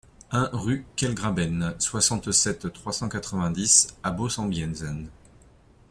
un rue Quellgraben, soixante-sept, trois cent quatre-vingt-dix à Bœsenbiesen